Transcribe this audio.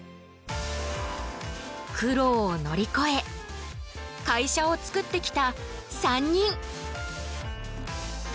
苦労を乗りこえ会社を作ってきた３人。